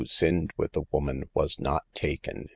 sinned with the woman was not taken.